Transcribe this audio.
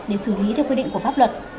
để xử lý theo quy định của pháp luật